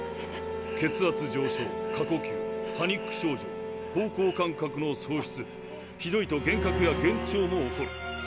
血圧上昇過呼吸パニック症状方向感覚の喪失ひどいと幻覚や幻聴も起こる。